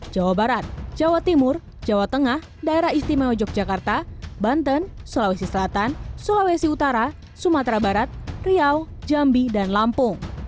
jawa barat jawa timur jawa tengah daerah istimewa yogyakarta banten sulawesi selatan sulawesi utara sumatera barat riau jambi dan lampung